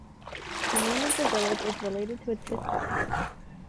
The name of the village is related to its history.